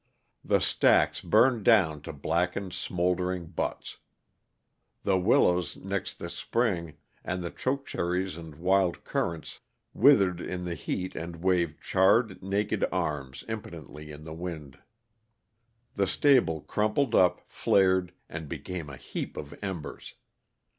The stacks burned down to blackened, smoldering butts. The willows next the spring, and the chokecherries and wild currants withered in the heat and waved charred, naked arms impotently in the wind. The stable crumpled up, flared, and became a heap of embers.